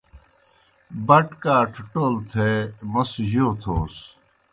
بٹ کاٹھہ ٹول تھے موْس جو تھوس؟